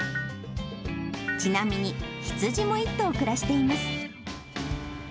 ちなみに、羊も１頭暮らしています。